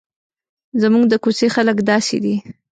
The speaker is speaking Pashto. زموږ د کوڅې خلک داسې دي.